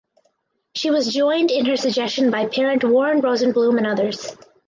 She was joined in her suggestion by parent Warren Rosenblum and others.